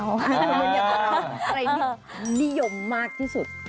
อะไรนี่นิยมมากที่สุด